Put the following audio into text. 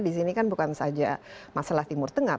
di sini kan bukan saja masalah timur tengah